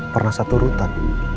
pernah satu rutan